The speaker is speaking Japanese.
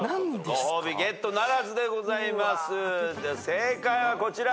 正解はこちら。